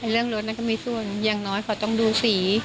เรื่องรถนั้นก็มีส่วนอย่างน้อยเขาต้องดูสี